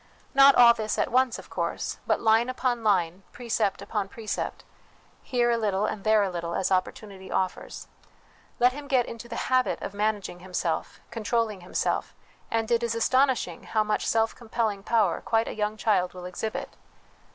Not all this at once, of course; THE WILL CONSCIENCE DIVINE LIFE 329 but line upon line, precept upon precept, here a little and there a little, as opportunity offers. Let him get into the habit of managing himself, controlling him self, and it is astonishing how much self compelling power quite a young child will exhibit.